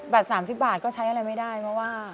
๓๐บาทก็ใช้อะไรไม่ได้เพราะว่า